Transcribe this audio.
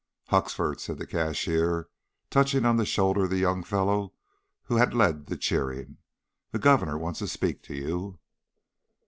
"Huxford," said the cashier, touching on the shoulder the young fellow who had led the cheering; "the governor wants to speak to you."